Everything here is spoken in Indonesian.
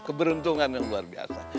keberuntungan yang luar biasa